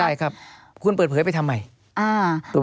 ได้ครับคุณเปิดเผยไปทำใหม่